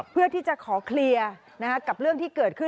เพื่อที่จะขอเคลียร์กับเรื่องที่เกิดขึ้น